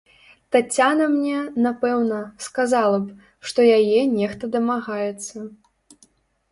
Таццяна мне, напэўна, сказала б, што яе нехта дамагаецца.